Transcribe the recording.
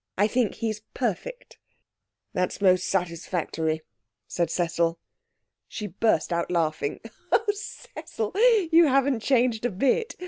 I think he's perfect.' 'That is most satisfactory,' said Cecil. She burst out laughing. 'Oh, Cecil, you haven't changed a bit!